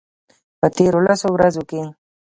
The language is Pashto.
په تیرو لسو ورځو کې